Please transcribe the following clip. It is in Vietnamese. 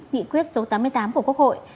nghị quyết số tám mươi tám của quốc hội